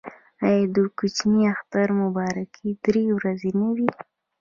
آیا د کوچني اختر مبارکي درې ورځې نه وي؟